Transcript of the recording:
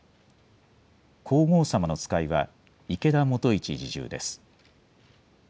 皇后さまの使いは、池田元一侍従です。